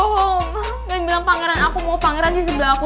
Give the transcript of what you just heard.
jangan bilang pangeran aku mau pangeran di sebelah aku